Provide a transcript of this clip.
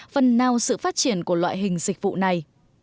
phần nào sự phát triển của loại hình dịch vụ này